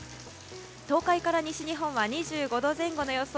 東海から西日本は２５度前後の予想。